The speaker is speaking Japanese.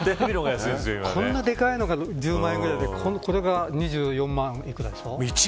こんなでかいのが１０万くらいでこれが２４万くらいでしょ。